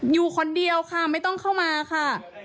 อยู่คนเดียวค่ะไม่ต้องเข้ามาค่ะ